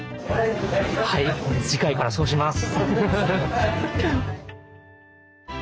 はい次回からそうします！